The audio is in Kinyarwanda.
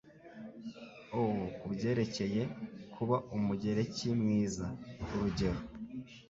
ow kubyerekeye kuba Umugereki mwiza, urugero)